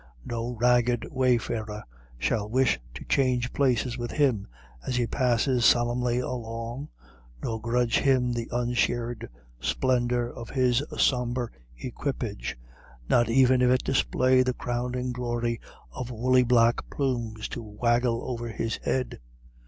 No ragged wayfarer shall wish to change places with him as he passes solemnly along, nor grudge him the unshared splendour of his sombre equipage; not even if it display the crowning glory of woolly black plumes to waggle over his head.